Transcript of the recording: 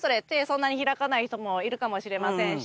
そんなに開かない人もいるかもしれませんし。